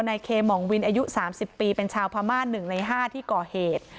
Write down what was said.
นายเคหมองวินอายุสามสิบปีเป็นชาวพม่าหนึ่งในห้าที่ก่อเหตุ